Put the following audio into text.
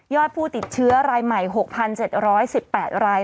ผู้ติดเชื้อรายใหม่๖๗๑๘ราย